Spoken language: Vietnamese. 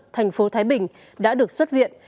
thành phố thái bình đã được xuất viện